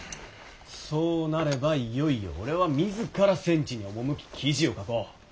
そうなればいよいよ俺は自ら戦地に赴き記事を書こう。